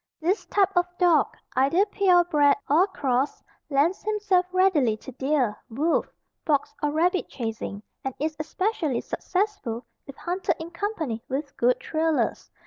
This type of dog, either pure bred or crossed lends himself readily to deer, wolf, fox or rabbit chasing, and is especially successful if hunted in company with good trailers.